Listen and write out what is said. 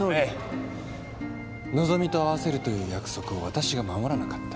和希と会わせるという約束をわたしが守らなかった。